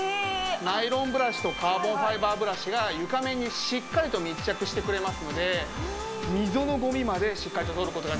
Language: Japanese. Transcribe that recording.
ナイロンブラシとカーボンファイバーブラシが床面にしっかりと密着してくれますので溝のゴミまでしっかりと取る事ができるんですね。